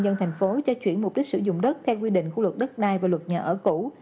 được ubnd tp hcm cho chuyển mục đích sử dụng đất theo quy định khu luật đất nai và luật nhà ở cũ